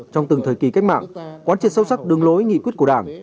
trong từng thời kỳ cách mạng quán triệt sâu sắc đường lối nghị quyết của đảng